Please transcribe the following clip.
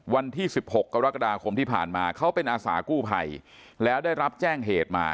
วันที่๑๖กรกฎาคมที่ผ่านมาเขาเป็นอาสากู้ภัยแล้วได้รับแจ้งเหตุมา